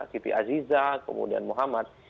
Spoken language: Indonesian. siti aziza kemudian muhammad